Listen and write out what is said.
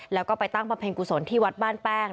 แล้วก็ไปตั้งบำเพ็ญกุศลที่วัดบ้านแป้ง